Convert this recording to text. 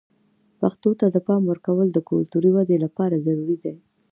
پښتو ته د پام ورکول د کلتوري ودې لپاره ضروري دي.